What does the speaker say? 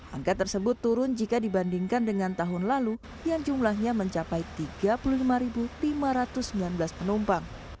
angka tersebut turun jika dibandingkan dengan tahun lalu yang jumlahnya mencapai tiga puluh lima lima ratus sembilan belas penumpang